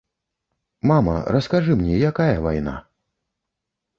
Мама, раскажы мне, якая вайна.